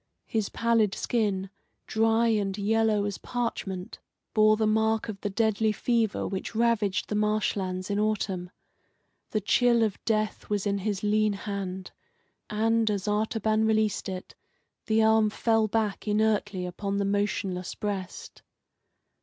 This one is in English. His pallid skin, dry and yellow as parchment, bore the mark of the deadly fever which ravaged the marsh lands in autumn. The chill of death was in his lean hand, and, as Artaban released it, the arm fell back inertly upon the motionless breast.